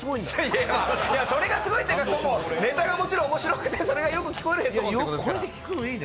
いやいや、それがすごいっていうか、ネタがもちろん面白くてそれでよく聞こえるっことで。